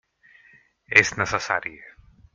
És necessari.